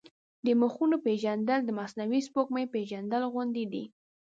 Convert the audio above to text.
د مخونو پېژندل د مصنوعي سپوږمۍ پېژندل غوندې دي.